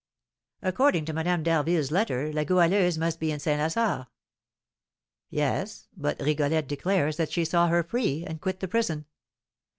"According to Madame d'Harville's letter, La Goualeuse must be in St. Lazare." "Yes, but Rigolette declares that she saw her free, and quit the prison.